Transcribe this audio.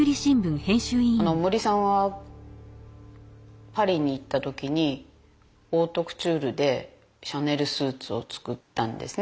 森さんはパリに行った時にオートクチュールでシャネルスーツを作ったんですね。